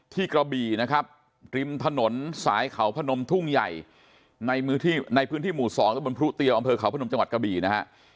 ที่เกาะบีนะครับติ่มถนนสายขาวพนมทุ่งใหญ่ในมือที่ในพื้นที่หมู่๒บนพเตียแบบขาวพนมจังหวัดเกาะบีนะฮะ